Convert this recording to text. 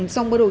xong bắt đầu